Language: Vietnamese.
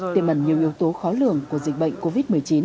tiềm ẩn nhiều yếu tố khó lường của dịch bệnh covid một mươi chín